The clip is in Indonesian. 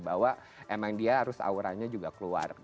bahwa emang dia harus auranya juga keluar